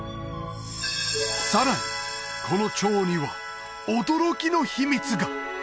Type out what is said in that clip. さらにこの蝶には驚きの秘密が！